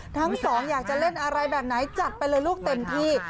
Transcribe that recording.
ทั้งสองอยากจะเล่นอะไรแบบไหนจัดไปเลยลูกเต็มที่